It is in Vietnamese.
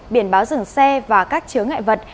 biển báo dừng xe và các chứa ngại vật